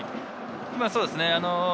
そうですね。